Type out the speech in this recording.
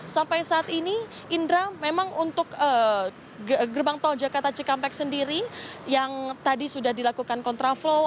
sampai saat ini indra memang untuk gerbang tol jakarta cikampek sendiri yang tadi sudah dilakukan kontraflow